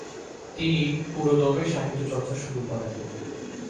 তিনি পুরোদমে সাহিত্যচর্চা শুরু করেন।